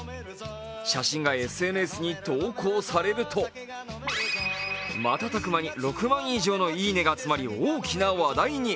写真がＳＮＳに投稿されると瞬く間に６万以上の「いいね」が集まり大きな話題に。